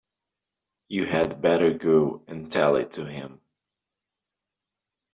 You had better go and tell it to him.